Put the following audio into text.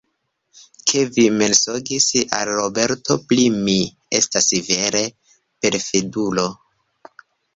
Ke vi mensogis al Roberto pri mi, estas vere, perfidulo.